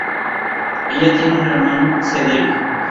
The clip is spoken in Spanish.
Ella tiene un hermano, Cedric.